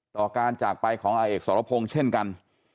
ต่อการจากไปของอาเอกสรพงศ์เช่นกัน